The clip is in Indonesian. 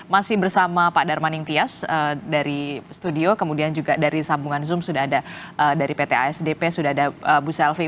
masih bersama pak darmaning tias dari studio kemudian juga dari sambungan zoom sudah ada dari pt asdp sudah ada bu selvi